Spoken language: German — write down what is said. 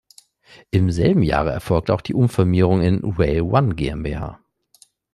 Im selben Jahre erfolgte auch die Umfirmierung in "Rail One GmbH".